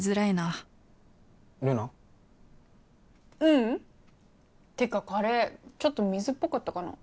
ううん。ってかカレーちょっと水っぽかったかな？